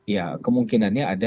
ya kemungkinannya ada